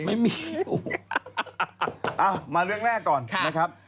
เอามาเรื่องแรกก่อนนะครับ